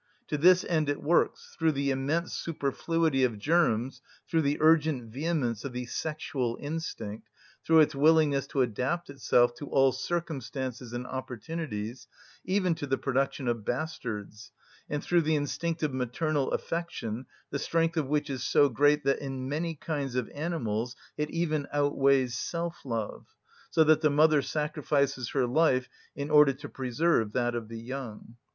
To this end it works, through the immense superfluity of germs, through the urgent vehemence of the sexual instinct, through its willingness to adapt itself to all circumstances and opportunities, even to the production of bastards, and through the instinctive maternal affection, the strength of which is so great that in many kinds of animals it even outweighs self‐love, so that the mother sacrifices her life in order to preserve that of the young.